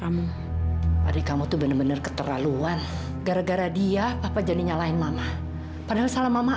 aku gak mungkin tinggalin kamu di sini sendiri